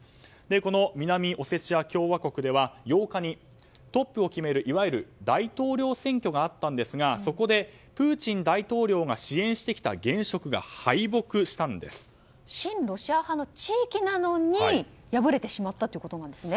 この南オセチア共和国では８日にトップを決めるいわゆる大統領選挙があったんですがそこでプーチン大統領が支援してきた現職が親ロシア派の地域なのに敗れてしまったんですね。